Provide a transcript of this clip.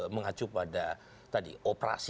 mengacu pada tadi operasi